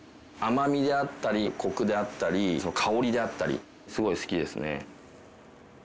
甘みであったりコクであったり香りであったりすごい好きですね。